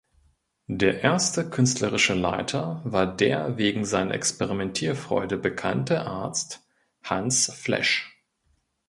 Der erste künstlerische Leiter war der wegen seiner Experimentierfreude bekannte Arzt Hans Flesch.